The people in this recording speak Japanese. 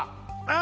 あ！